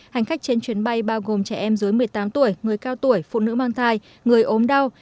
hành khách trên chuyến bay bao gồm trẻ em dưới một mươi tám tuổi người cao tuổi phụ nữ mang thai người ốm đau